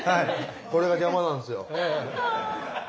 これがジャマなんですよ。